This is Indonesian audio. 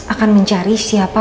akan mencari siapa